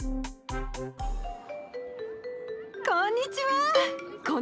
こんにちは！